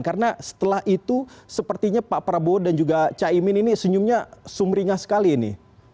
karena setelah itu sepertinya pak prabowo dan juga caimin ini senyumnya sumringah sekali ini